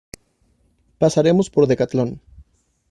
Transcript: Pasaremos por Decatlon.